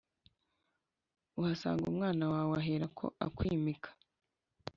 uhasanga umwana wawe aherako akwimika